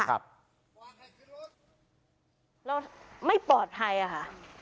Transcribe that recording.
เราไม่ปลอดภัยค่ะ